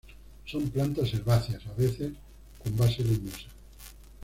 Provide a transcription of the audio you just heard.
Son plantas herbáceas, a veces, con base leñosa.